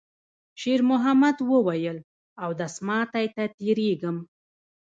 شېرمحمد وویل: «اودس ماتی ته تېرېږم.»